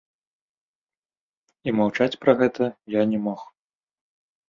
І маўчаць пра гэта я не мог.